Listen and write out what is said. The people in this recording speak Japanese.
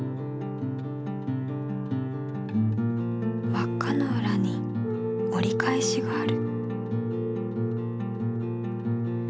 わっかのうらに折り返しがある。